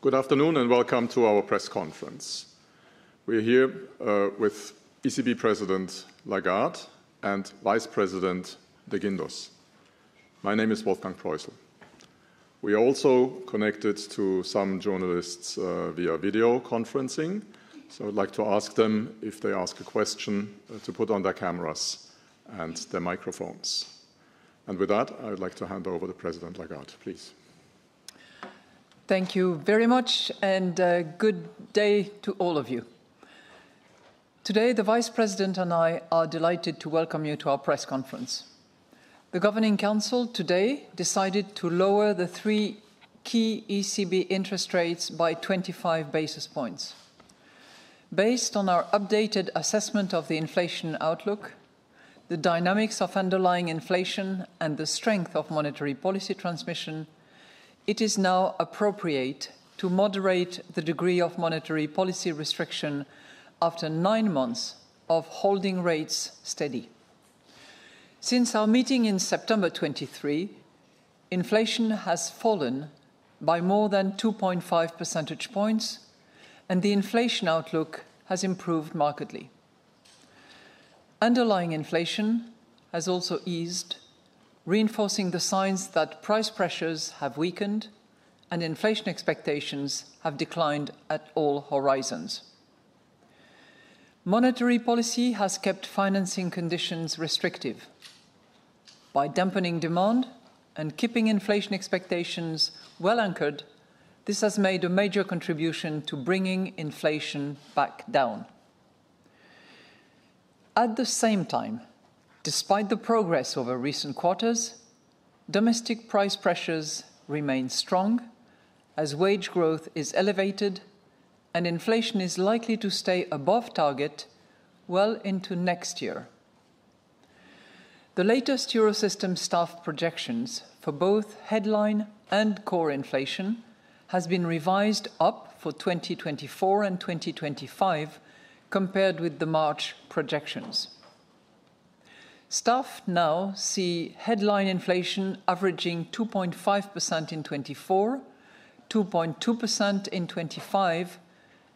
Good afternoon, and welcome to our press conference. We're here with ECB President Lagarde and Vice President de Guindos. My name is Wolfgang Proissl. We are also connected to some journalists via video conferencing, so I'd like to ask them, if they ask a question, to put on their cameras and their microphones. And with that, I would like to hand over to President Lagarde, please. Thank you very much, and good day to all of you. Today, the Vice President and I are delighted to welcome you to our press conference. The Governing Council today decided to lower the three key ECB interest rates by 25 basis points. Based on our updated assessment of the inflation outlook, the dynamics of underlying inflation, and the strength of monetary policy transmission, it is now appropriate to moderate the degree of monetary policy restriction after nine months of holding rates steady. Since our meeting in September 2023, inflation has fallen by more than 2.5 percentage points, and the inflation outlook has improved markedly. Underlying inflation has also eased, reinforcing the signs that price pressures have weakened and inflation expectations have declined at all horizons. Monetary policy has kept financing conditions restrictive. By dampening demand and keeping inflation expectations well-anchored, this has made a major contribution to bringing inflation back down. At the same time, despite the progress over recent quarters, domestic price pressures remain strong, as wage growth is elevated and inflation is likely to stay above target well into next year. The latest Eurosystem staff projections for both headline and core inflation has been revised up for 2024 and 2025, compared with the March projections. Staff now see headline inflation averaging 2.5% in 2024, 2.2% in 2025,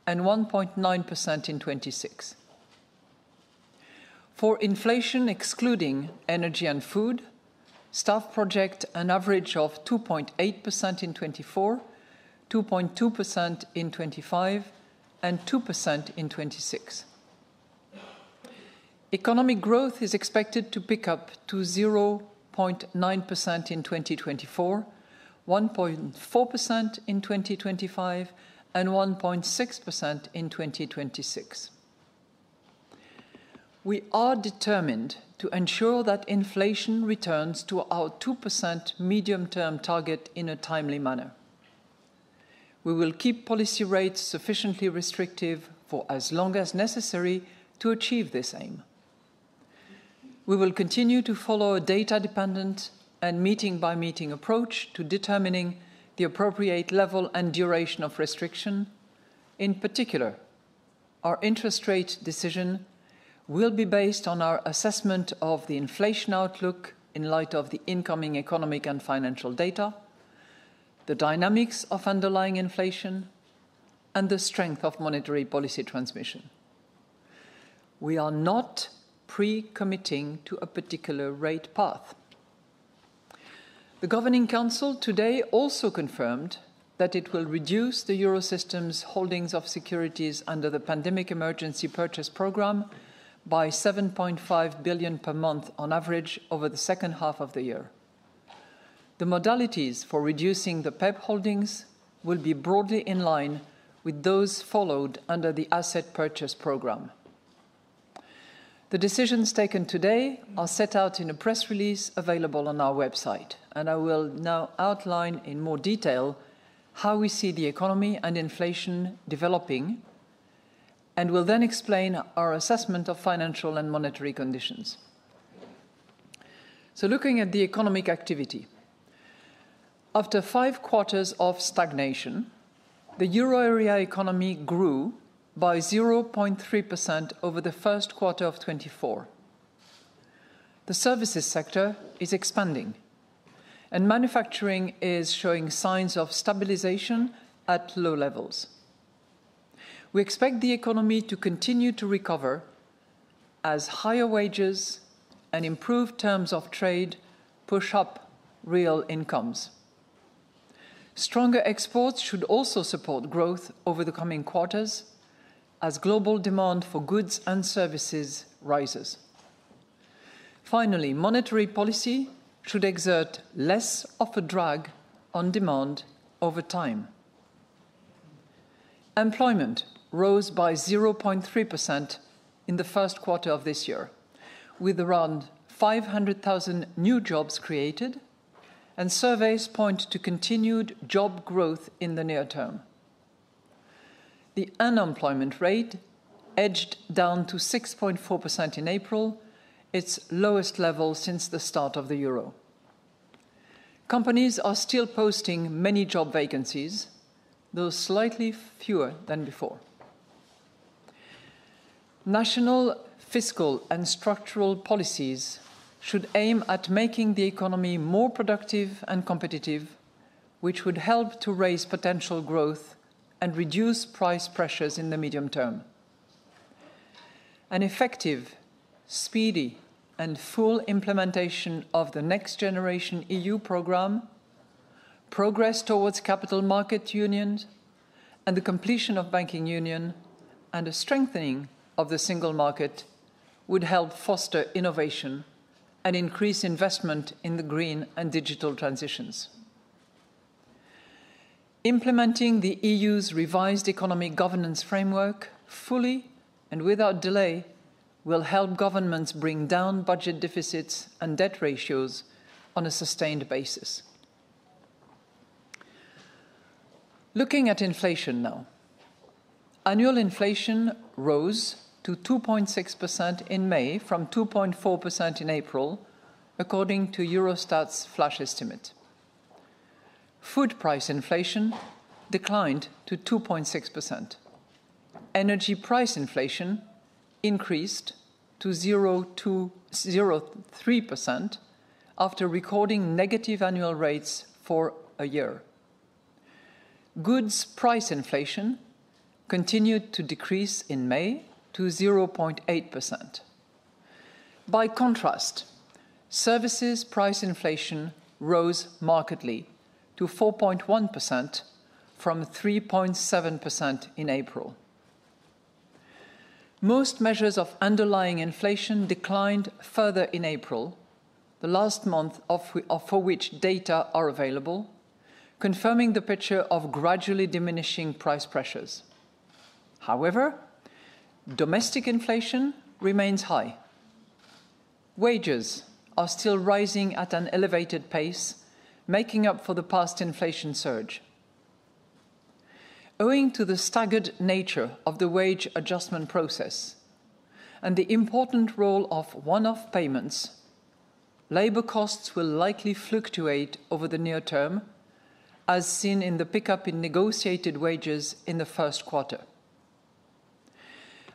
and 1.9% in 2026. For inflation, excluding energy and food, staff project an average of 2.8% in 2024, 2.2% in 2025, and 2% in 2026. Economic growth is expected to pick up to 0.9% in 2024, 1.4% in 2025, and 1.6% in 2026. We are determined to ensure that inflation returns to our 2% medium-term target in a timely manner. We will keep policy rates sufficiently restrictive for as long as necessary to achieve this aim. We will continue to follow a data-dependent and meeting-by-meeting approach to determining the appropriate level and duration of restriction. In particular, our interest rate decision will be based on our assessment of the inflation outlook in light of the incoming economic and financial data, the dynamics of underlying inflation, and the strength of monetary policy transmission. We are not pre-committing to a particular rate path. The Governing Council today also confirmed that it will reduce the Eurosystem's holdings of securities under the Pandemic Emergency Purchase Programme by 7.5 billion per month on average over the second half of the year. The modalities for reducing the PEPP holdings will be broadly in line with those followed under the Asset Purchase Programme. The decisions taken today are set out in a press release available on our website, and I will now outline in more detail how we see the economy and inflation developing, and will then explain our assessment of financial and monetary conditions. Looking at the economic activity, after five quarters of stagnation, the Euro area economy grew by 0.3% over the first quarter of 2024. The services sector is expanding, and manufacturing is showing signs of stabilization at low levels. We expect the economy to continue to recover as higher wages and improved terms of trade push up real incomes. Stronger exports should also support growth over the coming quarters as global demand for goods and services rises. Finally, monetary policy should exert less of a drag on demand over time. Employment rose by 0.3% in the first quarter of this year, with around 500,000 new jobs created, and surveys point to continued job growth in the near term. The unemployment rate edged down to 6.4% in April, its lowest level since the start of the euro. Companies are still posting many job vacancies, though slightly fewer than before. National fiscal and structural policies should aim at making the economy more productive and competitive, which would help to raise potential growth and reduce price pressures in the medium term. An effective, speedy, and full implementation of the Next Generation EU program, progress towards Capital Markets Union, and the completion of Banking Union, and a strengthening of the Single Market would help foster innovation and increase investment in the green and digital transitions. Implementing the EU's revised economic governance framework fully and without delay will help governments bring down budget deficits and debt ratios on a sustained basis. Looking at inflation now, annual inflation rose to 2.6% in May from 2.4% in April, according to Eurostat's flash estimate. Food price inflation declined to 2.6%. Energy price inflation increased to 0.03% after recording negative annual rates for a year. Goods price inflation continued to decrease in May to 0.8%. By contrast, services price inflation rose markedly to 4.1% from 3.7% in April. Most measures of underlying inflation declined further in April, the last month for which data are available, confirming the picture of gradually diminishing price pressures. However, domestic inflation remains high. Wages are still rising at an elevated pace, making up for the past inflation surge. Owing to the staggered nature of the wage adjustment process and the important role of one-off payments, labor costs will likely fluctuate over the near term, as seen in the pickup in negotiated wages in the first quarter.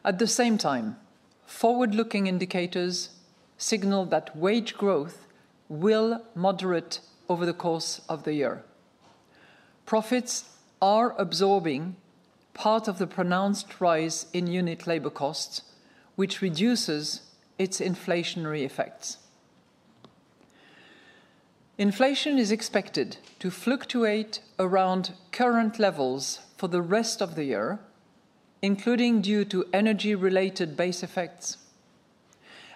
At the same time, forward-looking indicators signal that wage growth will moderate over the course of the year. Profits are absorbing part of the pronounced rise in unit labor costs, which reduces its inflationary effects. Inflation is expected to fluctuate around current levels for the rest of the year, including due to energy-related base effects,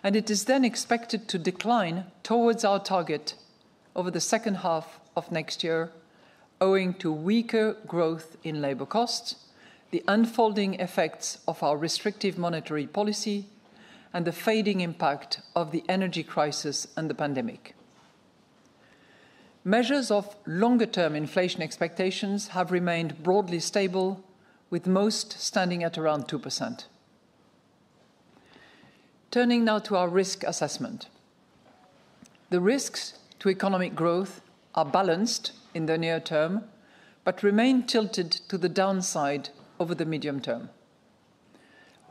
and it is then expected to decline towards our target over the second half of next year, owing to weaker growth in labor costs, the unfolding effects of our restrictive monetary policy, and the fading impact of the energy crisis and the pandemic. Measures of longer-term inflation expectations have remained broadly stable, with most standing at around 2%. Turning now to our risk assessment. The risks to economic growth are balanced in the near term, but remain tilted to the downside over the medium term.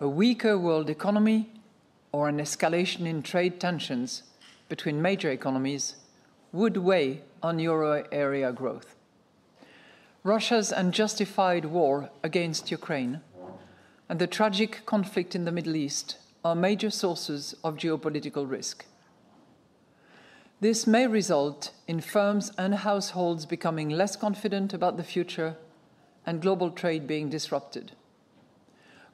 A weaker world economy or an escalation in trade tensions between major economies would weigh on euro area growth. Russia's unjustified war against Ukraine and the tragic conflict in the Middle East are major sources of geopolitical risk. This may result in firms and households becoming less confident about the future and global trade being disrupted.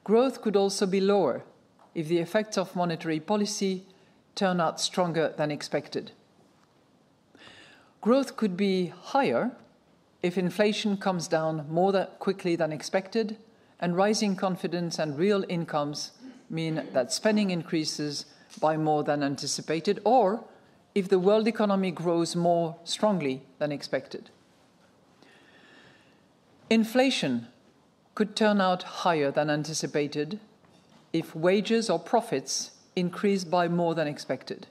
Growth could also be lower if the effects of monetary policy turn out stronger than expected. Growth could be higher if inflation comes down more quickly than expected, and rising confidence and real incomes mean that spending increases by more than anticipated, or if the world economy grows more strongly than expected. Inflation could turn out higher than anticipated if wages or profits increase by more than expected.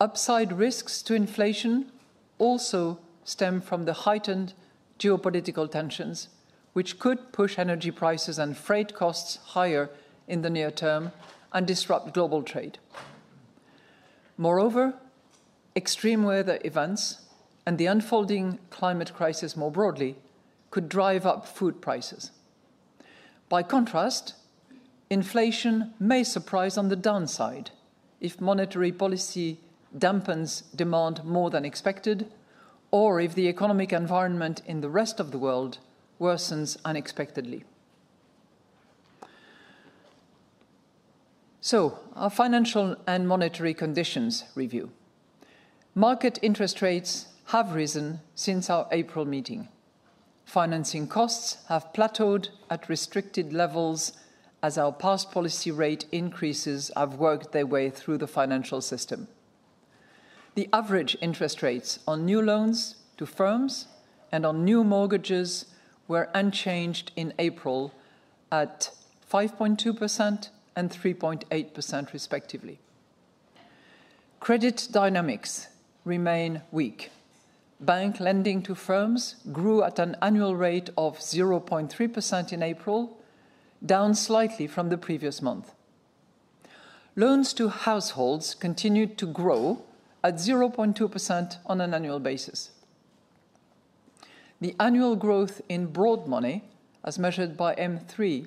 Upside risks to inflation also stem from the heightened geopolitical tensions, which could push energy prices and freight costs higher in the near term and disrupt global trade. Moreover, extreme weather events and the unfolding climate crisis more broadly could drive up food prices. By contrast, inflation may surprise on the downside if monetary policy dampens demand more than expected or if the economic environment in the rest of the world worsens unexpectedly. So our financial and monetary conditions review. Market interest rates have risen since our April meeting. Financing costs have plateaued at restrictive levels as our past policy rate increases have worked their way through the financial system. The average interest rates on new loans to firms and on new mortgages were unchanged in April at 5.2% and 3.8%, respectively. Credit dynamics remain weak. Bank lending to firms grew at an annual rate of 0.3% in April, down slightly from the previous month. Loans to households continued to grow at 0.2% on an annual basis. The annual growth in broad money, as measured by M3,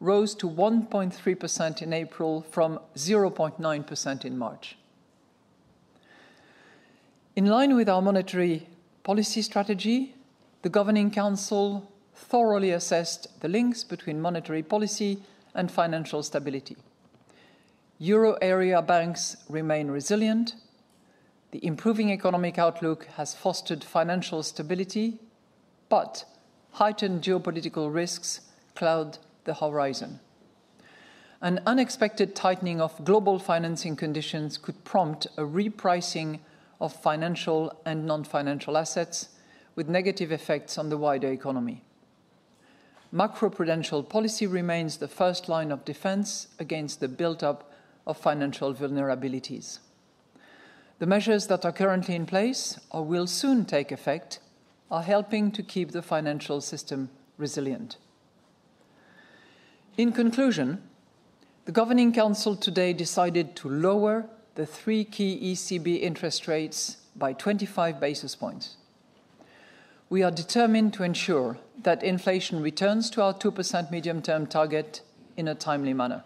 rose to 1.3% in April from 0.9% in March. In line with our monetary policy strategy, the Governing Council thoroughly assessed the links between monetary policy and financial stability. Euro area banks remain resilient. The improving economic outlook has fostered financial stability, but heightened geopolitical risks cloud the horizon. An unexpected tightening of global financing conditions could prompt a repricing of financial and non-financial assets, with negative effects on the wider economy. Macroprudential policy remains the first line of defense against the buildup of financial vulnerabilities. The measures that are currently in place or will soon take effect are helping to keep the financial system resilient. In conclusion, the Governing Council today decided to lower the three key ECB interest rates by 25 basis points. We are determined to ensure that inflation returns to our 2% medium-term target in a timely manner.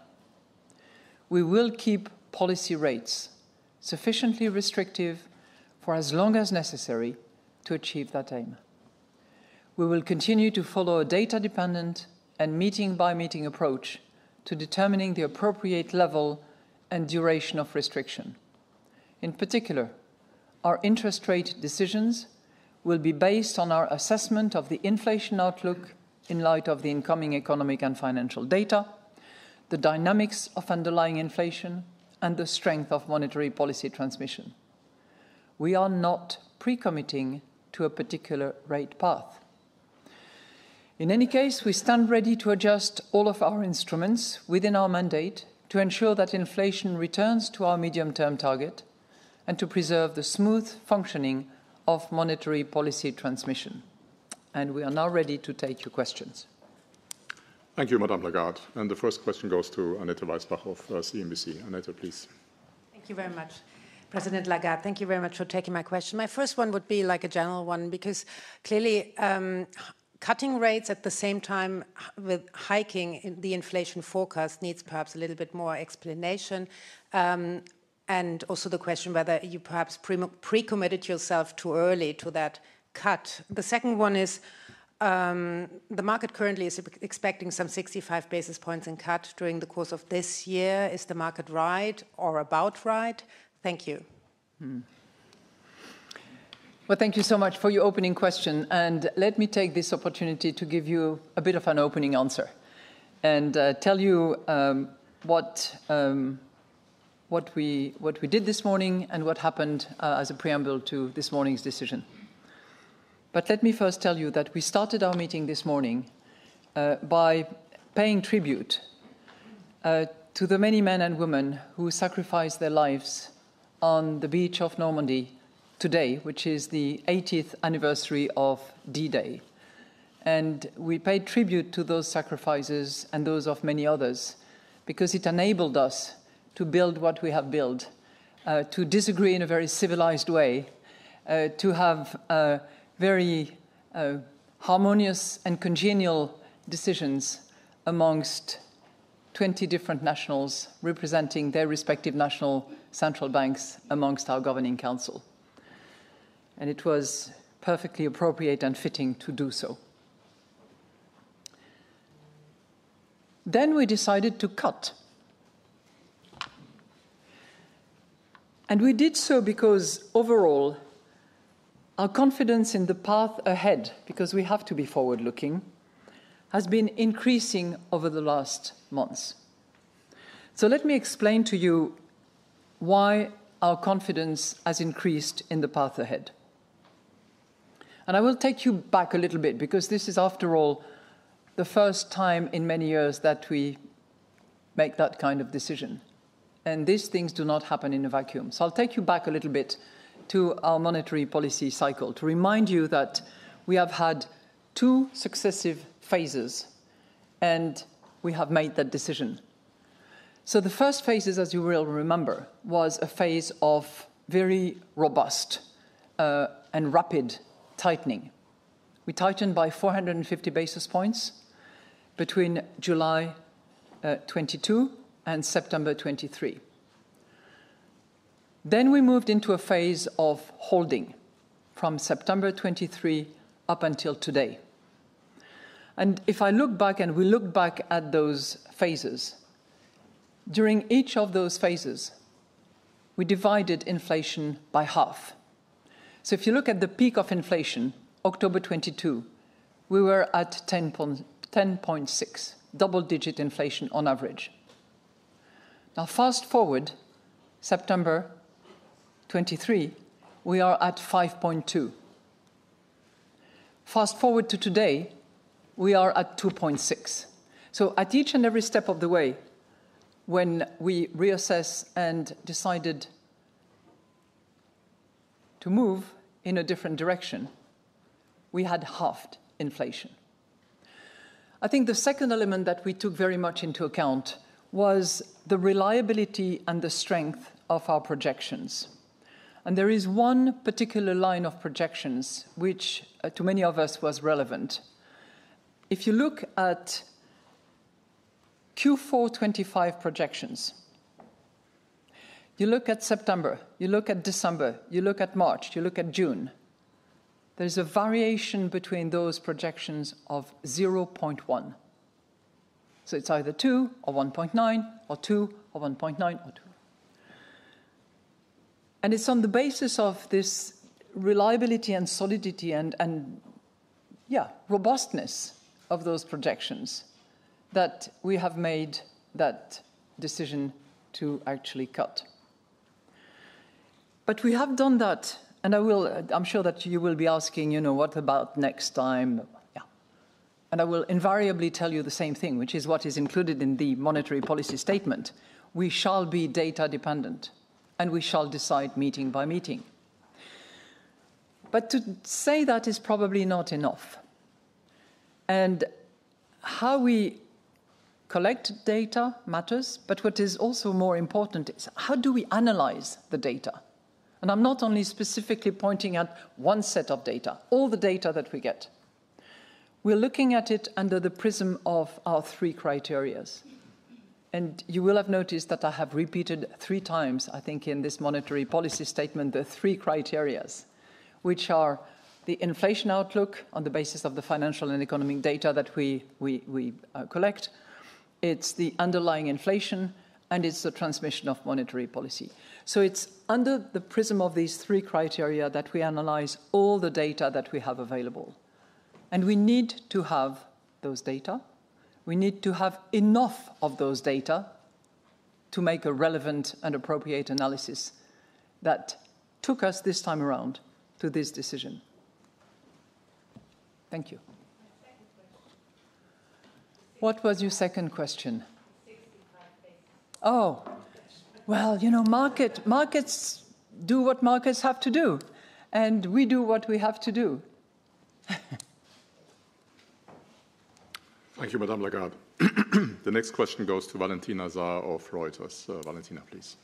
We will keep policy rates sufficiently restrictive for as long as necessary to achieve that aim. We will continue to follow a data-dependent and meeting-by-meeting approach to determining the appropriate level and duration of restriction. In particular, our interest rate decisions will be based on our assessment of the inflation outlook in light of the incoming economic and financial data, the dynamics of underlying inflation, and the strength of monetary policy transmission. We are not pre-committing to a particular rate path. In any case, we stand ready to adjust all of our instruments within our mandate to ensure that inflation returns to our medium-term target and to preserve the smooth functioning of monetary policy transmission. We are now ready to take your questions. Thank you, Madame Lagarde. The first question goes to Annette Weisbach of CNBC. Annette, please. Thank you very much, President Lagarde. Thank you very much for taking my question. My first one would be, like, a general one, because clearly, cutting rates at the same time with hiking in the inflation forecast needs perhaps a little bit more explanation. And also the question whether you perhaps pre-committed yourself too early to that cut. The second one is, the market currently is expecting some 65 basis points in cut during the course of this year. Is the market right or about right? Thank you. Mm-hmm. Well, thank you so much for your opening question, and let me take this opportunity to give you a bit of an opening answer and tell you what we did this morning and what happened as a preamble to this morning's decision. But let me first tell you that we started our meeting this morning by paying tribute to the many men and women who sacrificed their lives on the beach of Normandy today, which is the eightieth anniversary of D-Day. And we paid tribute to those sacrifices and those of many others because it enabled us to build what we have built, to disagree in a very civilized way, to have very harmonious and congenial decisions amongst 20 different nationals representing their respective national central banks amongst our Governing Council, and it was perfectly appropriate and fitting to do so. Then we decided to cut. And we did so because, overall, our confidence in the path ahead, because we have to be forward-looking, has been increasing over the last months. So let me explain to you why our confidence has increased in the path ahead, and I will take you back a little bit because this is, after all, the first time in many years that we make that kind of decision, and these things do not happen in a vacuum. So I'll take you back a little bit to our monetary policy cycle to remind you that we have had two successive phases, and we have made that decision. So the first phases, as you will remember, was a phase of very robust and rapid tightening. We tightened by 450 basis points between July 2022 and September 2023. Then we moved into a phase of holding from September 2023 up until today. And if I look back, and we look back at those phases, during each of those phases, we divided inflation by half. So if you look at the peak of inflation, October 2022, we were at 10.6, double-digit inflation on average. Now, fast-forward, September 2023, we are at 5.2. Fast forward to today, we are at 2.6. So at each and every step of the way, when we reassess and decided to move in a different direction, we had halved inflation. I think the second element that we took very much into account was the reliability and the strength of our projections, and there is one particular line of projections which, to many of us was relevant. If you look at Q4 2025 projections, you look at September, you look at December, you look at March, you look at June, there's a variation between those projections of 0.1. So it's either 2 or 1.9, or 2, or 1.9, or 2. And it's on the basis of this reliability and solidity and, yeah, robustness of those projections that we have made that decision to actually cut. But we have done that, and I will—I'm sure that you will be asking, you know, "What about next time?" Yeah, and I will invariably tell you the same thing, which is what is included in the monetary policy statement: We shall be data-dependent, and we shall decide meeting by meeting. But to say that is probably not enough, and how we collect data matters, but what is also more important is, how do we analyze the data? And I'm not only specifically pointing at one set of data, all the data that we get. We're looking at it under the prism of our three criteria. You will have noticed that I have repeated three times, I think, in this monetary policy statement, the three criteria, which are the inflation outlook on the basis of the financial and economic data that we collect, it's the underlying inflation, and it's the transmission of monetary policy. So it's under the prism of these three criteria that we analyze all the data that we have available, and we need to have those data. We need to have enough of those data to make a relevant and appropriate analysis that took us this time around to this decision. Thank you. My second question. What was your second question? Sixty-five basis. Oh! Well, you know, markets do what markets have to do, and we do what we have to do. Thank you, Madame Lagarde. The next question goes to Valentina Za of Reuters. Valentina, please.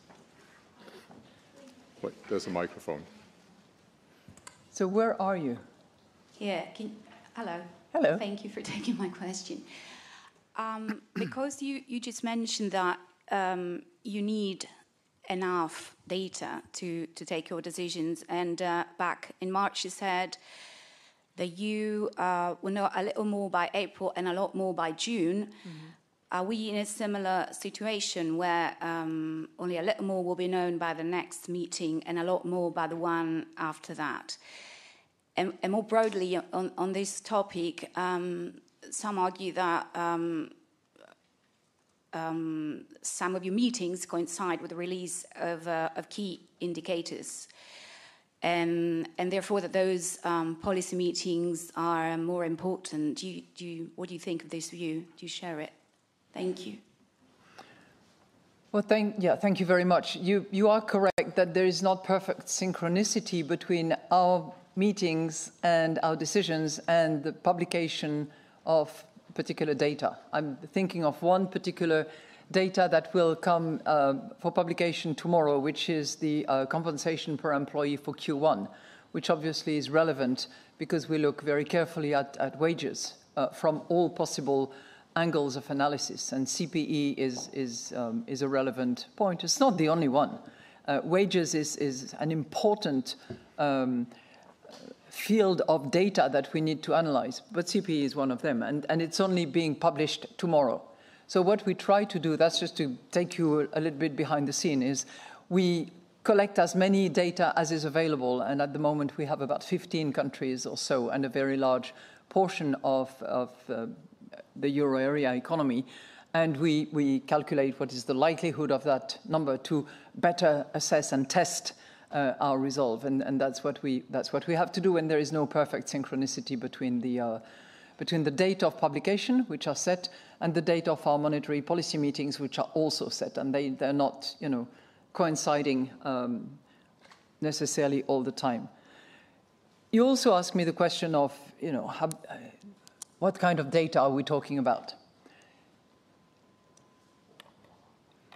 Wait, there's a microphone. Where are you? Yeah. Hello. Hello. Thank you for taking my question. Because you just mentioned that you need enough data to take your decisions, and back in March, you said that you would know a little more by April and a lot more by June. Mm-hmm. Are we in a similar situation where only a little more will be known by the next meeting and a lot more by the one after that? And more broadly on this topic, some argue that some of your meetings coincide with the release of key indicators, and therefore, that those policy meetings are more important. What do you think of this view? Do you share it? Thank you. Well, yeah, thank you very much. You, you are correct that there is not perfect synchronicity between our meetings, and our decisions, and the publication of particular data. I'm thinking of one particular data that will come for publication tomorrow, which is the compensation per employee for Q1, which obviously is relevant because we look very carefully at wages from all possible angles of analysis, and CPE is a relevant point. It's not the only one. Wages is an important field of data that we need to analyze, but CPE is one of them, and it's only being published tomorrow. So what we try to do, that's just to take you a little bit behind the scene, is we collect as many data as is available, and at the moment, we have about 15 countries or so and a very large portion of the euro area economy, and we calculate what is the likelihood of that number to better assess and test our resolve. And that's what we have to do when there is no perfect synchronicity between the date of publication, which are set, and the date of our monetary policy meetings, which are also set, and they, they're not, you know, coinciding necessarily all the time. You also asked me the question of, you know, how what kind of data are we talking about?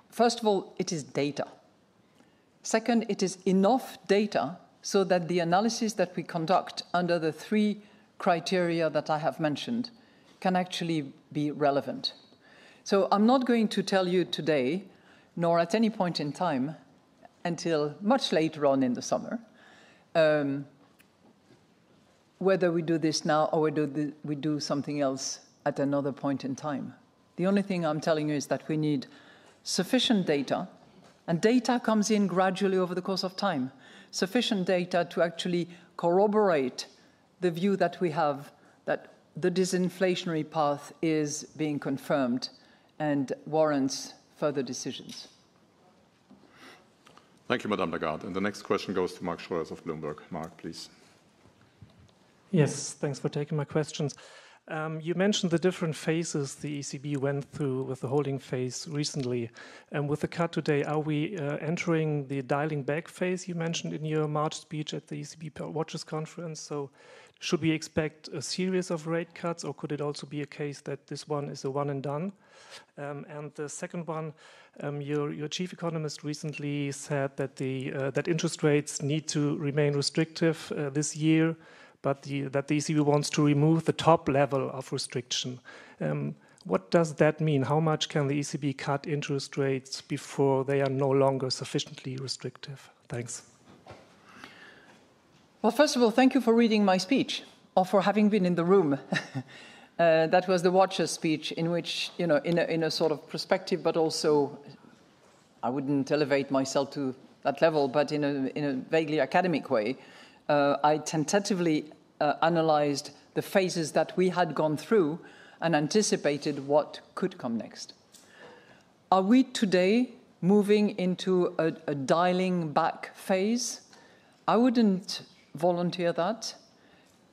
First of all, it is data. Second, it is enough data so that the analysis that we conduct under the three criteria that I have mentioned can actually be relevant. So I'm not going to tell you today, nor at any point in time, until much later on in the summer, whether we do this now or we do something else at another point in time. The only thing I'm telling you is that we need sufficient data, and data comes in gradually over the course of time, sufficient data to actually corroborate the view that we have, that the disinflationary path is being confirmed and warrants further decisions.... Thank you, Madame Lagarde. The next question goes to Mark Schroers of Bloomberg. Mark, please. Yes, thanks for taking my questions. You mentioned the different phases the ECB went through with the holding phase recently, and with the cut today, are we entering the dialing back phase you mentioned in your March speech at the ECB Watchers' Conference? So should we expect a series of rate cuts, or could it also be a case that this one is a one and done? And the second one, your chief economist recently said that that interest rates need to remain restrictive this year, but that the ECB wants to remove the top level of restriction. What does that mean? How much can the ECB cut interest rates before they are no longer sufficiently restrictive? Thanks. Well, first of all, thank you for reading my speech or for having been in the room. That was the Watchers speech in which, you know, in a, in a sort of perspective, but also I wouldn't elevate myself to that level, but in a, in a vaguely academic way, I tentatively analyzed the phases that we had gone through and anticipated what could come next. Are we today moving into a, a dialing back phase? I wouldn't volunteer that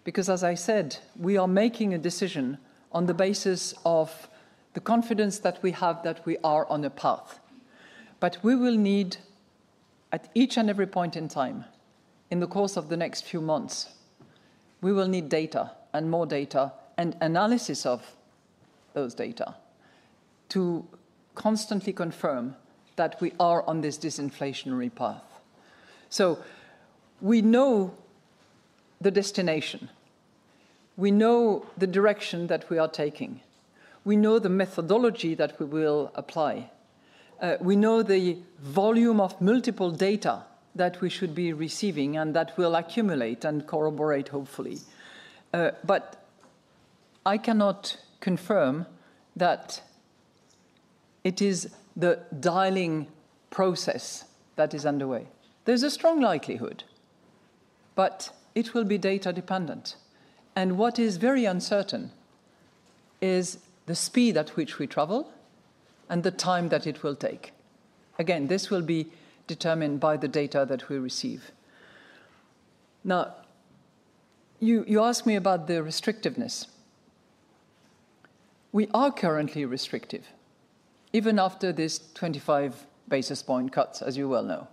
because, as I said, we are making a decision on the basis of the confidence that we have that we are on a path. But we will need, at each and every point in time, in the course of the next few months, we will need data and more data and analysis of those data to constantly confirm that we are on this disinflationary path. So we know the destination, we know the direction that we are taking, we know the methodology that we will apply, we know the volume of multiple data that we should be receiving and that will accumulate and corroborate, hopefully. But I cannot confirm that it is the dialing process that is underway. There's a strong likelihood, but it will be data dependent, and what is very uncertain is the speed at which we travel and the time that it will take. Again, this will be determined by the data that we receive. Now, you, you asked me about the restrictiveness. We are currently restrictive, even after this 25 basis point cuts, as you well know,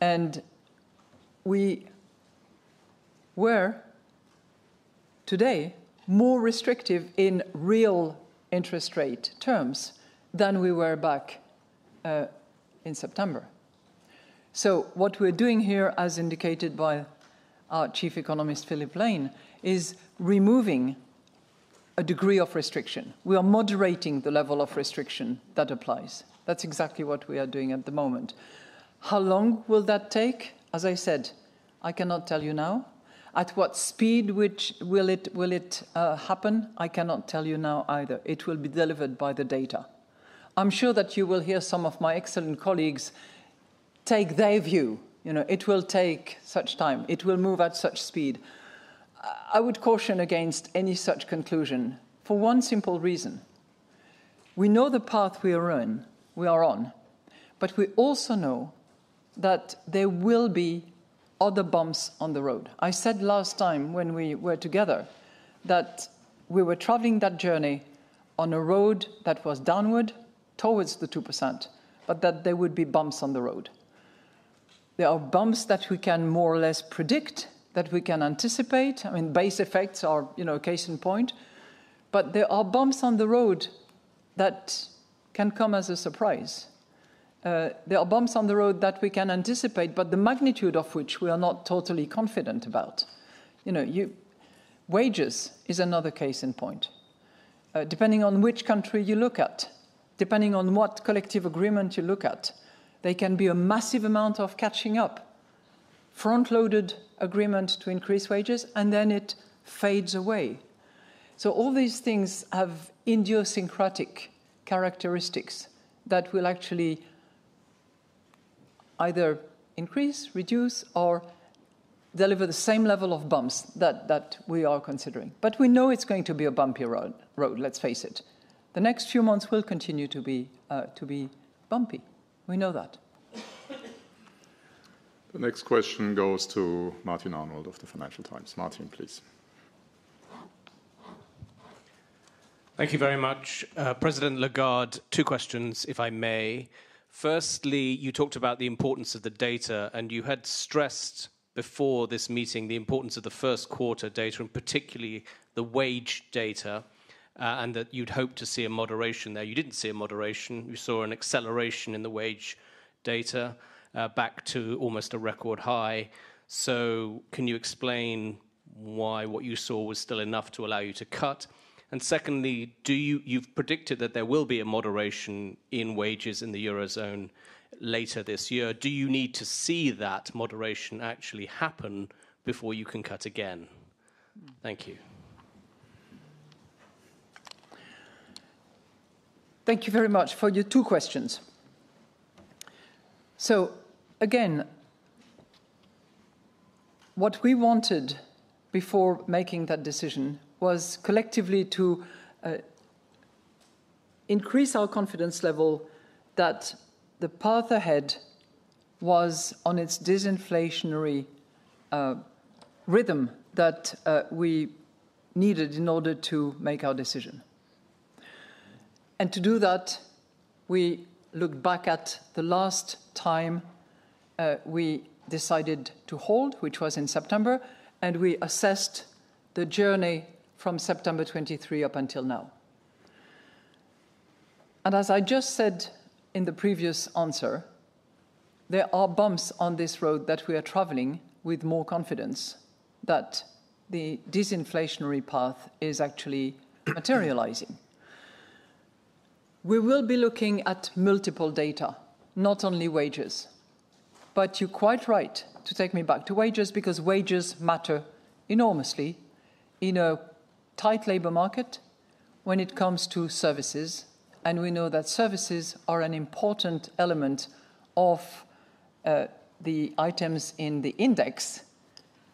and we were today more restrictive in real interest rate terms than we were back in September. So what we're doing here, as indicated by our Chief Economist, Philip Lane, is removing a degree of restriction. We are moderating the level of restriction that applies. That's exactly what we are doing at the moment. How long will that take? As I said, I cannot tell you now. At what speed which will it, will it, happen? I cannot tell you now either. It will be delivered by the data. I'm sure that you will hear some of my excellent colleagues take their view. You know, it will take such time, it will move at such speed. I would caution against any such conclusion for one simple reason: We know the path we are on, we are on, but we also know that there will be other bumps on the road. I said last time when we were together, that we were traveling that journey on a road that was downward towards the 2%, but that there would be bumps on the road. There are bumps that we can more or less predict, that we can anticipate, I mean, base effects are, you know, case in point, but there are bumps on the road that can come as a surprise. There are bumps on the road that we can anticipate, but the magnitude of which we are not totally confident about. You know, Wages is another case in point. Depending on which country you look at, depending on what collective agreement you look at, there can be a massive amount of catching up, front-loaded agreement to increase wages, and then it fades away. So all these things have idiosyncratic characteristics that will actually either increase, reduce, or deliver the same level of bumps that we are considering. But we know it's going to be a bumpy road, let's face it. The next few months will continue to be bumpy. We know that. The next question goes to Martin Arnold of the Financial Times. Martin, please. Thank you very much. President Lagarde, two questions, if I may. Firstly, you talked about the importance of the data, and you had stressed before this meeting the importance of the first quarter data, and particularly the wage data, and that you'd hope to see a moderation there. You didn't see a moderation, you saw an acceleration in the wage data, back to almost a record high. So can you explain why what you saw was still enough to allow you to cut? And secondly, you've predicted that there will be a moderation in wages in the eurozone later this year. Do you need to see that moderation actually happen before you can cut again? Thank you. Thank you very much for your two questions. What we wanted before making that decision was collectively to increase our confidence level that the path ahead was on its disinflationary rhythm that we needed in order to make our decision. And to do that, we looked back at the last time we decided to hold, which was in September, and we assessed the journey from September 2023 up until now. And as I just said in the previous answer, there are bumps on this road that we are traveling with more confidence that the disinflationary path is actually materializing. We will be looking at multiple data, not only wages. But you're quite right to take me back to wages, because wages matter enormously in a tight labor market when it comes to services, and we know that services are an important element of the items in the index,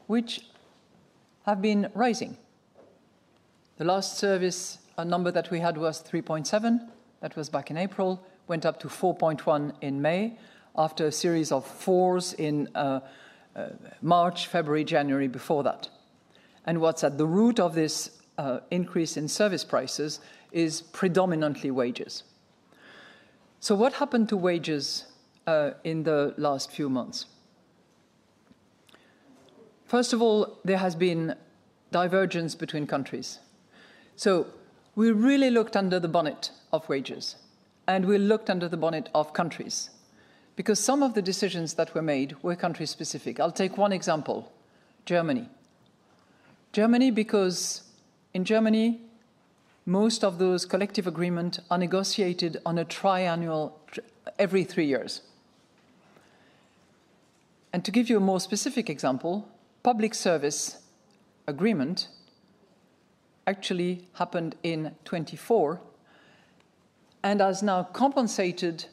which have been rising. The last service number that we had was 3.7. That was back in April. Went up to 4.1 in May, after a series of 4s in March, February, January, before that. And what's at the root of this increase in service prices is predominantly wages. So what happened to wages in the last few months? First of all, there has been divergence between countries. So we really looked under the bonnet of wages, and we looked under the bonnet of countries, because some of the decisions that were made were country-specific. I'll take one example: Germany. Germany, because in Germany, most of those collective agreements are negotiated on a triennial every three years. To give you a more specific example, public service agreement actually happened in 2024, and has now compensated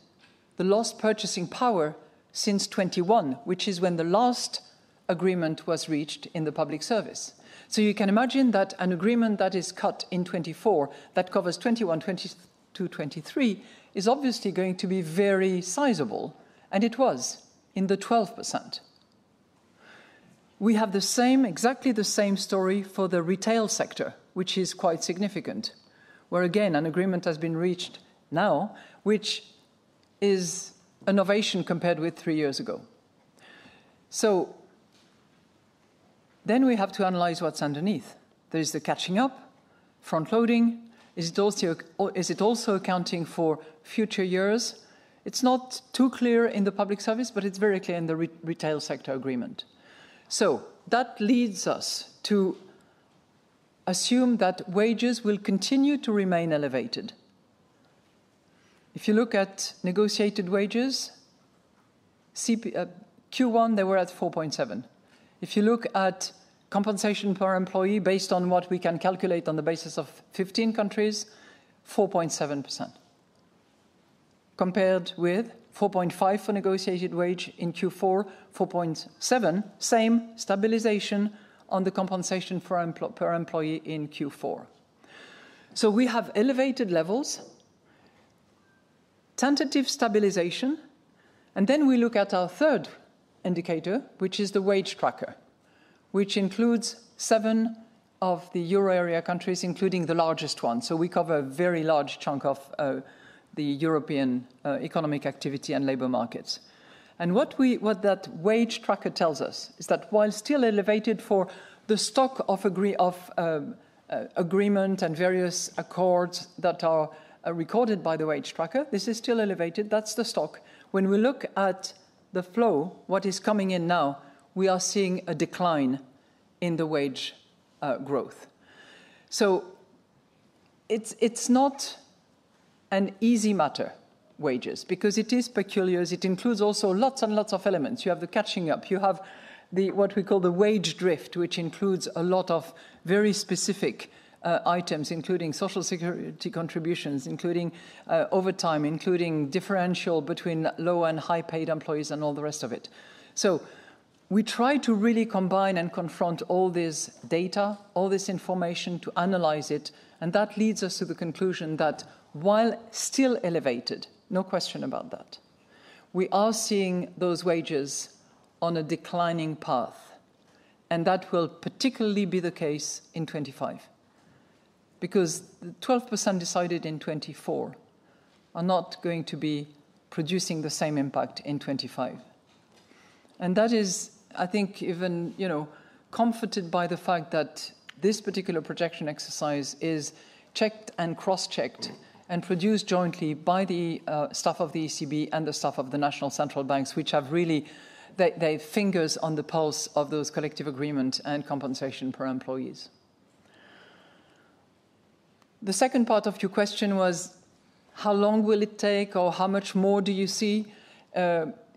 the lost purchasing power since 2021, which is when the last agreement was reached in the public service. So you can imagine that an agreement that is cut in 2024, that covers 2021, 2022, 2023, is obviously going to be very sizable, and it was, 12%. We have the same, exactly the same story for the retail sector, which is quite significant, where, again, an agreement has been reached now, which is an innovation compared with three years ago. So then we have to analyze what's underneath. There is the catching up, front-loading. Is it also or is it also accounting for future years? It's not too clear in the public service, but it's very clear in the retail sector agreement. So that leads us to assume that wages will continue to remain elevated. If you look at negotiated wages, CP, Q1, they were at 4.7. If you look at compensation per employee, based on what we can calculate on the basis of 15 countries, 4.7%, compared with 4.5 for negotiated wage in Q4, 4.7, same stabilization on the compensation per employee in Q4. So we have elevated levels, tentative stabilization, and then we look at our third indicator, which is the wage tracker, which includes 7 of the Euro area countries, including the largest one, so we cover a very large chunk of the European economic activity and labor markets. What that wage tracker tells us is that while still elevated for the stock of agreement and various accords that are recorded by the wage tracker, this is still elevated. That's the stock. When we look at the flow, what is coming in now, we are seeing a decline in the wage growth. So it's, it's not an easy matter, wages, because it is peculiar, as it includes also lots and lots of elements. You have the catching up. You have the, what we call the wage drift, which includes a lot of very specific items, including Social Security contributions, including overtime, including differential between low- and high-paid employees, and all the rest of it. So we try to really combine and confront all this data, all this information, to analyze it, and that leads us to the conclusion that while still elevated, no question about that, we are seeing those wages on a declining path, and that will particularly be the case in 2025, because the 12% decided in 2024 are not going to be producing the same impact in 2025. And that is, I think, even, you know, comforted by the fact that this particular projection exercise is checked and cross-checked and produced jointly by the staff of the ECB and the staff of the national central banks, which have really... They, they have fingers on the pulse of those collective agreements and compensation per employee. The second part of your question was: How long will it take, or how much more do you see?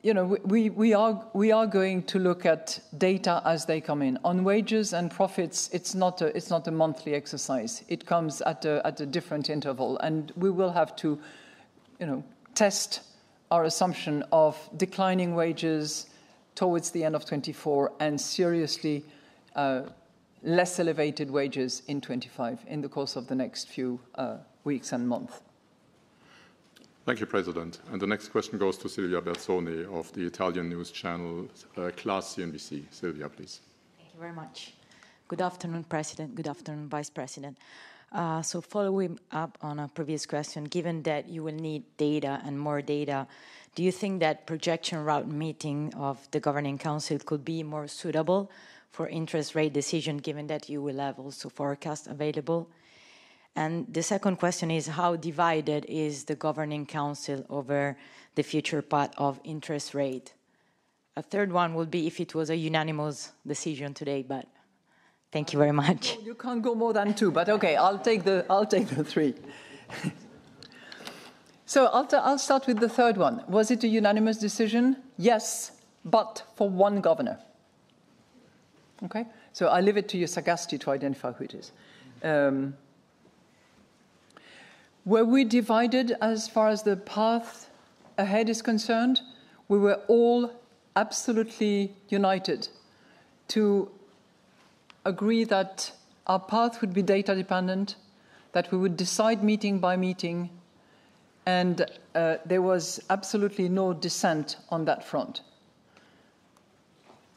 You know, we are going to look at data as they come in. On wages and profits, it's not a monthly exercise. It comes at a different interval, and we will have to, you know, test our assumption of declining wages towards the end of 2024, and seriously, less elevated wages in 2025, in the course of the next few weeks and month. Thank you, President. And the next question goes to Silvia Berzoni of the Italian news channel, Class CNBC. Silvia, please. Thank you very much. Good afternoon, President. Good afternoon, Vice President. So following up on a previous question, given that you will need data and more data, do you think that projection route meeting of the Governing Council could be more suitable for interest rate decision, given that you will have also forecast available? And the second question is: How divided is the Governing Council over the future path of interest rate? A third one would be if it was a unanimous decision today, but thank you very much. You can't go more than two, but okay, I'll take the, I'll take the three. So I'll start with the third one. Was it a unanimous decision? Yes, but for one governor. Okay? So I leave it to your sagacity to identify who it is. Were we divided as far as the path ahead is concerned? We were all absolutely united to agree that our path would be data-dependent, that we would decide meeting by meeting, and there was absolutely no dissent on that front.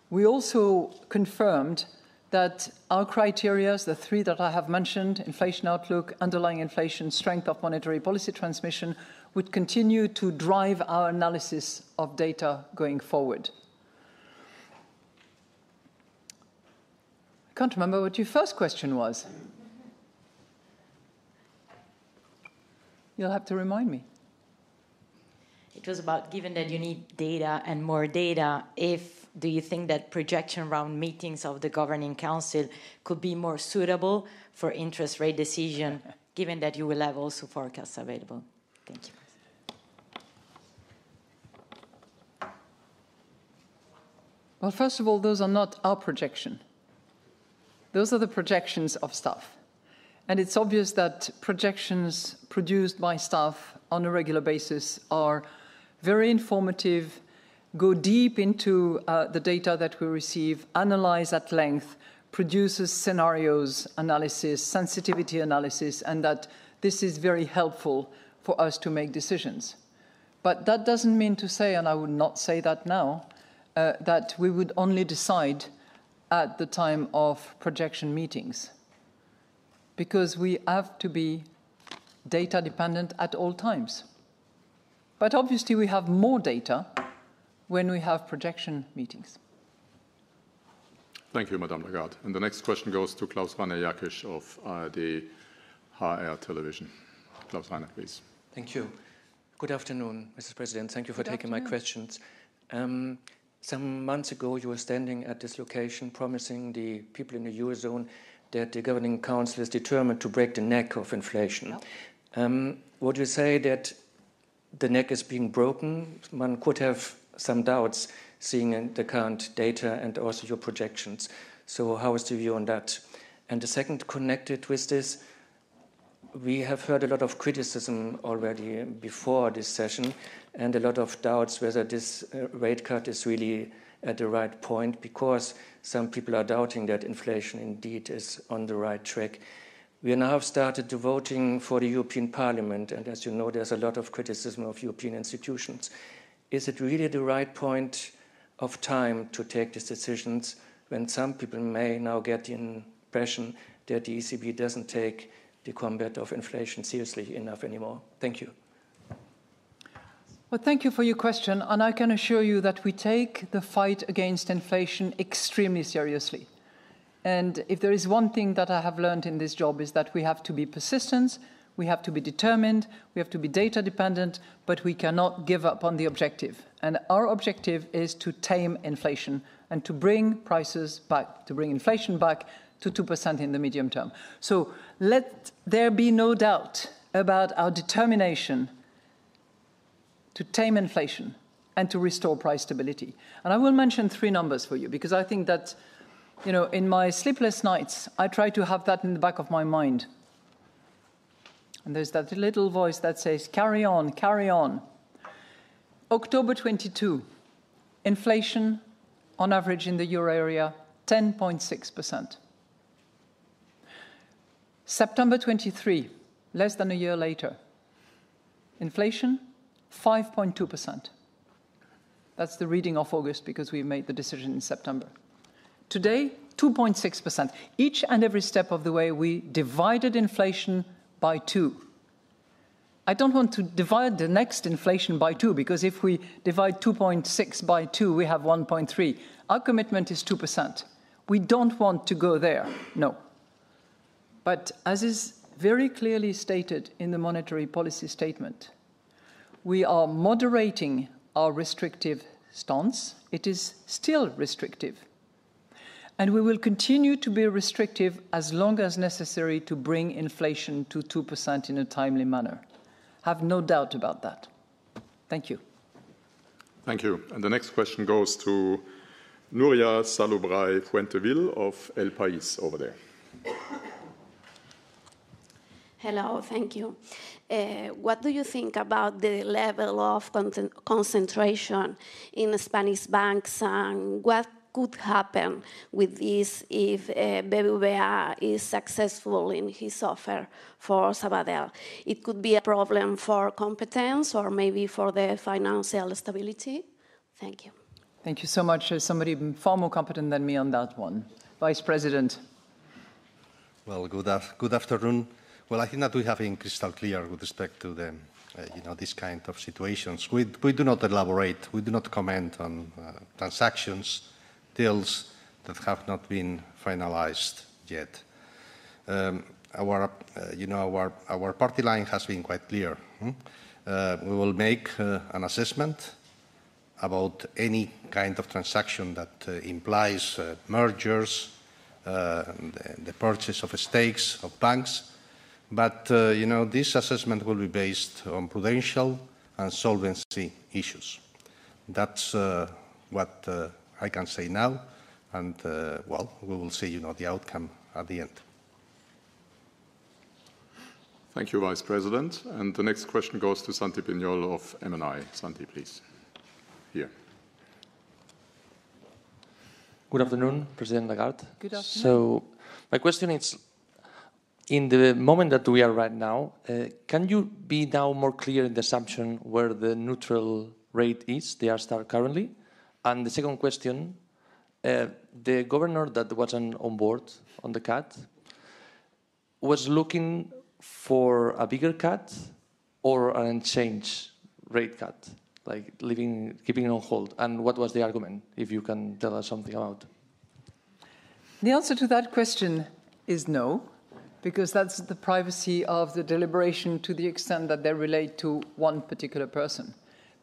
We also confirmed that our criterias, the three that I have mentioned, inflation outlook, underlying inflation, strength of monetary policy transmission, would continue to drive our analysis of data going forward. I can't remember what your first question was. You'll have to remind me. It was about, given that you need data and more data, if do you think that projection round meetings of the Governing Council could be more suitable for interest rate decision, given that you will have also forecasts available? Thank you. Well, first of all, those are not our projection. Those are the projections of staff, and it's obvious that projections produced by staff on a regular basis are very informative, go deep into, the data that we receive, analyze at length, produces scenarios, analysis, sensitivity analysis, and that this is very helpful for us to make decisions. But that doesn't mean to say, and I would not say that now, that we would only decide at the time of projection meetings, because we have to be data-dependent at all times. But obviously, we have more data when we have projection meetings. Thank you, Madame Lagarde. The next question goes to Klaus-Rainer Jackisch of hr-fernsehen. Klaus-Rainer, please. Thank you. Good afternoon, Mrs. President. Good afternoon. Thank you for taking my questions. Some months ago, you were standing at this location promising the people in the Eurozone that the Governing Council is determined to break the neck of inflation. Yep. Would you say that the neck is being broken? One could have some doubts, seeing in the current data and also your projections. So how is the view on that? And the second, connected with this, we have heard a lot of criticism already before this session, and a lot of doubts whether this, rate cut is really at the right point, because some people are doubting that inflation indeed is on the right track. We are now started the voting for the European Parliament, and as you know, there's a lot of criticism of European institutions. Is it really the right point of time to take these decisions when some people may now get the impression that the ECB doesn't take the combat of inflation seriously enough anymore? Thank you. Well, thank you for your question, and I can assure you that we take the fight against inflation extremely seriously. If there is one thing that I have learned in this job, is that we have to be persistent, we have to be determined, we have to be data-dependent, but we cannot give up on the objective. Our objective is to tame inflation and to bring prices back, to bring inflation back to 2% in the medium term. Let there be no doubt about our determination to tame inflation and to restore price stability. And I will mention three numbers for you, because I think that, you know, in my sleepless nights, I try to have that in the back of my mind, and there's that little voice that says, "Carry on, carry on." October 2022, inflation on average in the Euro area, 10.6%. September 2023, less than a year later, inflation, 5.2%. That's the reading of August, because we made the decision in September. Today, 2.6%. Each and every step of the way, we divided inflation by two. I don't want to divide the next inflation by two, because if we divide 2.6 by two, we have 1.3. Our commitment is 2%. We don't want to go there, no. But as is very clearly stated in the monetary policy statement, we are moderating our restrictive stance. It is still restrictive, and we will continue to be restrictive as long as necessary to bring inflation to 2% in a timely manner. Have no doubt about that. Thank you. Thank you. And the next question goes to Nuria Salobral of El País, over there.... Hello, thank you. What do you think about the level of concentration in the Spanish banks, and what could happen with this if BBVA is successful in his offer for Sabadell? It could be a problem for competition or maybe for the financial stability. Thank you. Thank you so much. There's somebody far more competent than me on that one. Vice President? Well, good afternoon. Well, I think that we have been crystal clear with respect to the, you know, these kind of situations. We do not elaborate, we do not comment on transactions, deals that have not been finalized yet. Our, you know, our party line has been quite clear, mm? We will make an assessment about any kind of transaction that implies mergers and the purchase of stakes of banks. But, you know, this assessment will be based on prudential and solvency issues. That's what I can say now, and well, we will see, you know, the outcome at the end. Thank you, Vice President. And the next question goes to Santi Piñol of MNI. Santi, please. Here. Good afternoon, President Lagarde. Good afternoon. So my question is, in the moment that we are right now, can you be now more clear in the assumption where the neutral rate is, the r-star currently? And the second question, the governor that wasn't on board on the cut, was looking for a bigger cut or an unchanged rate cut, like leaving... keeping it on hold? And what was the argument, if you can tell us something about? The answer to that question is no, because that's the privacy of the deliberation to the extent that they relate to one particular person.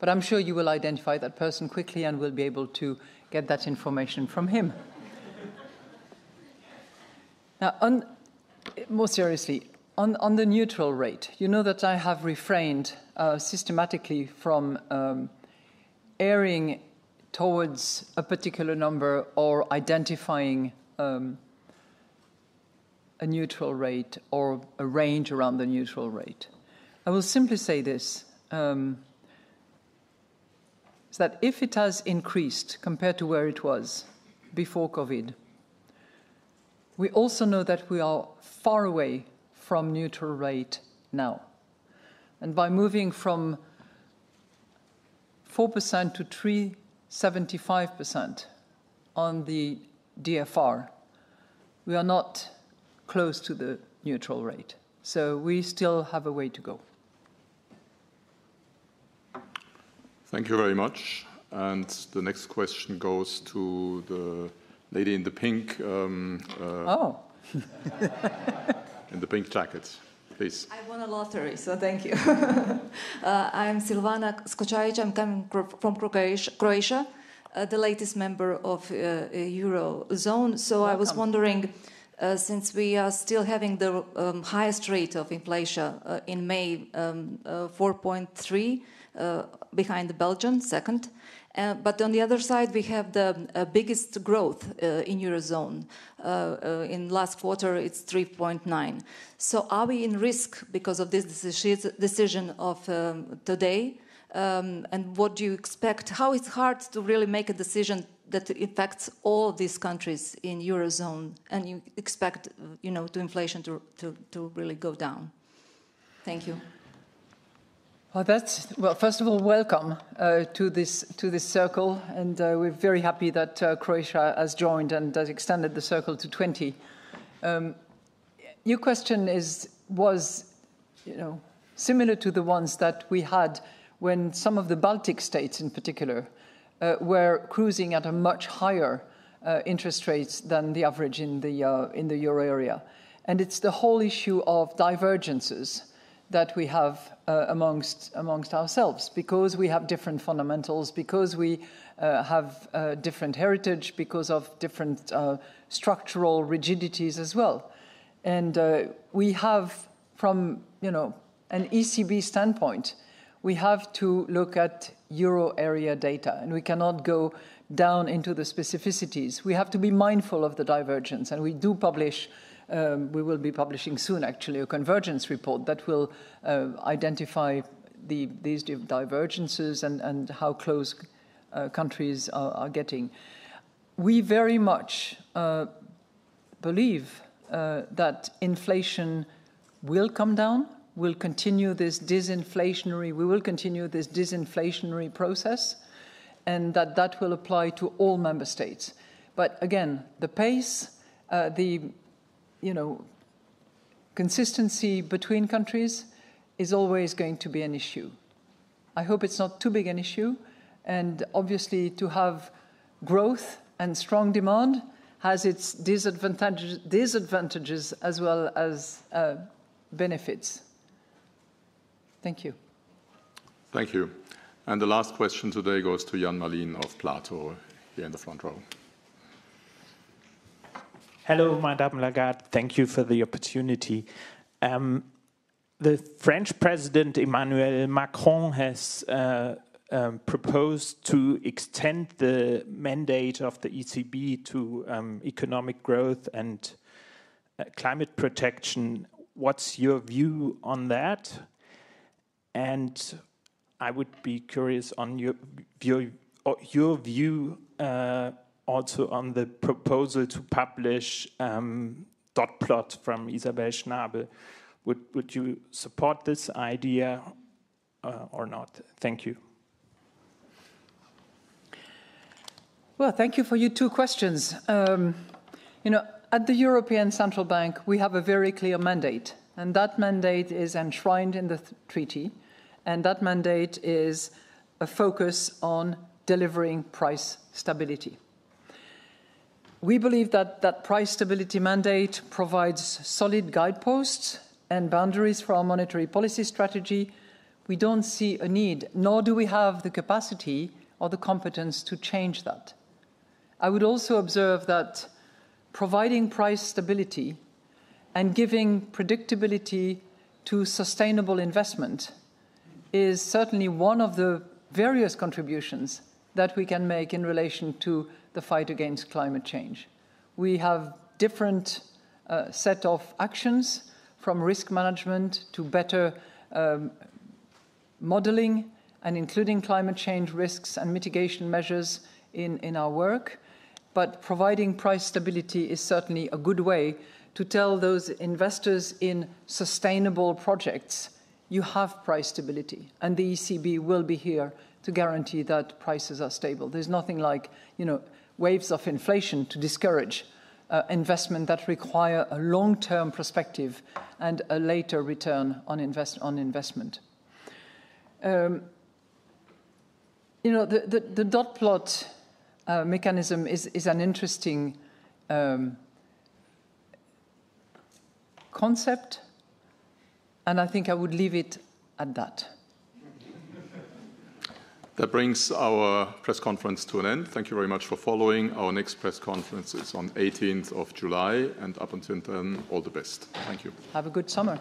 But I'm sure you will identify that person quickly, and we'll be able to get that information from him. Now, more seriously, on the neutral rate, you know that I have refrained systematically from erring towards a particular number or identifying a neutral rate or a range around the neutral rate. I will simply say this, is that if it has increased compared to where it was before COVID, we also know that we are far away from neutral rate now. And by moving from 4% to 3.75% on the DFR, we are not close to the neutral rate, so we still have a way to go. Thank you very much. The next question goes to the lady in the pink. Oh. In the pink jacket, please. I won a lottery, so thank you. I'm Silvana Skočajić. I'm coming from Croatia, the latest member of the Eurozone. Welcome. So I was wondering, since we are still having the highest rate of inflation in May, 4.3%, behind the Belgian second, but on the other side, we have the biggest growth in Eurozone. In last quarter, it's 3.9%. So are we in risk because of this decision of today? And what do you expect - how it's hard to really make a decision that impacts all these countries in Eurozone, and you expect, you know, the inflation to really go down? Thank you. Well, that's... Well, first of all, welcome to this circle, and we're very happy that Croatia has joined and has extended the circle to 20. Your question is—was, you know, similar to the ones that we had when some of the Baltic states, in particular, were cruising at much higher interest rates than the average in the Euro area. And it's the whole issue of divergences that we have amongst ourselves because we have different fundamentals, because we have different heritage, because of different structural rigidities as well. And we have from, you know, an ECB standpoint, we have to look at Euro area data, and we cannot go down into the specificities. We have to be mindful of the divergence, and we do publish. We will be publishing soon, actually, a Convergence Report that will identify these divergences and how close countries are getting. We very much believe that inflation will come down. We'll continue this disinflationary process, and that will apply to all member states. But again, the pace, you know, consistency between countries is always going to be an issue. I hope it's not too big an issue, and obviously, to have growth and strong demand has its disadvantages as well as benefits. Thank you. Thank you. And the last question today goes to Jan Mallien of Der Platow Brief, the end of front row. Hello, Madame Lagarde. Thank you for the opportunity.... The French President, Emmanuel Macron, has proposed to extend the mandate of the ECB to economic growth and climate protection. What's your view on that? And I would be curious on your view also on the proposal to publish dot plot from Isabel Schnabel. Would you support this idea or not? Thank you. Well, thank you for your two questions. You know, at the European Central Bank, we have a very clear mandate, and that mandate is enshrined in the treaty, and that mandate is a focus on delivering price stability. We believe that that price stability mandate provides solid guideposts and boundaries for our monetary policy strategy. We don't see a need, nor do we have the capacity or the competence to change that. I would also observe that providing price stability and giving predictability to sustainable investment is certainly one of the various contributions that we can make in relation to the fight against climate change. We have different set of actions, from risk management to better modeling and including climate change risks and mitigation measures in our work. But providing price stability is certainly a good way to tell those investors in sustainable projects, "You have price stability, and the ECB will be here to guarantee that prices are stable." There's nothing like, you know, waves of inflation to discourage investment that require a long-term perspective and a later return on investment. You know, the dot plot mechanism is an interesting concept, and I think I would leave it at that. That brings our press conference to an end. Thank you very much for following. Our next press conference is on 18th of July, and up until then, all the best. Thank you. Have a good summer.